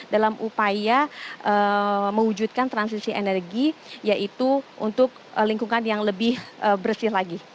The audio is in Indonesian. dalam upaya mewujudkan transisi energi yaitu untuk lingkungan yang lebih bersih lagi